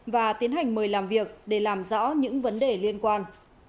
và tiến hành mời làm việc để làm rõ những vấn đề liên quan